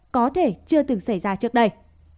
có thể chưa từng xảy ra trước đây